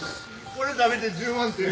これ食べて１０万って。